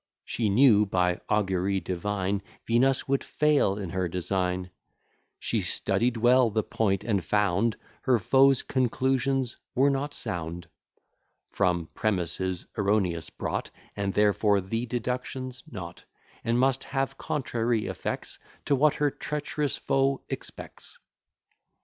She knew, by augury divine, Venus would fail in her design: She studied well the point, and found Her foe's conclusions were not sound, From premises erroneous brought, And therefore the deduction's naught, And must have contrary effects, To what her treacherous foe expects.